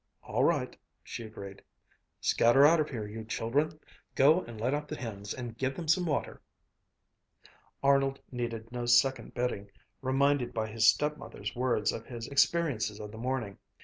"All right," she agreed. "Scatter out of here, you children! Go and let out the hens, and give them some water!" Arnold needed no second bidding, reminded by his stepmother's words of his experiences of the morning.